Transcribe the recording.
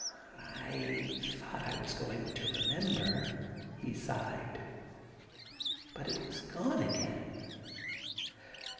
' I thought I was going to remember/ he sighed, 'but it has gone again.